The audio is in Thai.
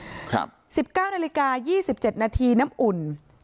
๑๙นาฬิกา๒๗นาทีน้ำอุ่น